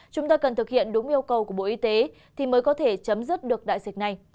chúng ta cần thực hiện đúng yêu cầu của bộ y tế thì mới có thể chấm dứt được đại dịch này